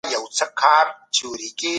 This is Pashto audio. تر مه کوه بايد وکړه زيات وي.